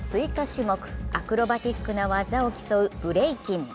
種目アクロバティックな技を競うブレイキン。